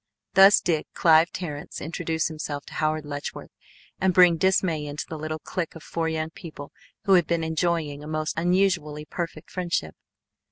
Thus did Clive Terrence introduce himself to Howard Letchworth and bring dismay into the little clique of four young people who had been enjoying a most unusually perfect friendship.